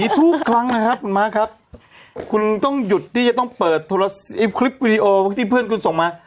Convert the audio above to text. ทุกครั้งนะครับคุณม้าครับคุณต้องหยุดที่จะต้องเปิดคลิปวิดีโอที่เพื่อนคุณส่งมา